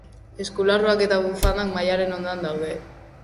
Eskularruak eta bufandak mahaiaren ondoan daude.